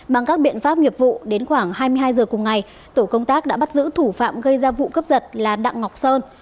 bằng các biện pháp nghiệp vụ đến khoảng hai mươi hai h cùng ngày tổ công tác đã bắt giữ thủ phạm gây ra vụ cướp giật là đặng ngọc sơn